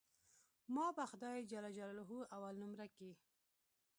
ما به خداى جل جلاله اول نؤمره کي.